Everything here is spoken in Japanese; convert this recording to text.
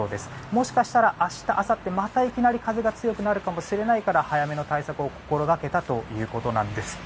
もしかしたら明日、あさっていきなり風が強くなるかもしれないから早めの対策を心掛けたということなんです。